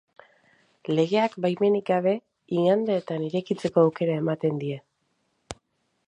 Legeak, baimenik gabe, igandeetan irekitzeko aukera ematen die.